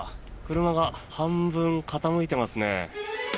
車が半分傾いてますね。